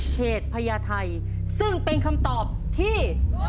พญาไทยซึ่งเป็นคำตอบที่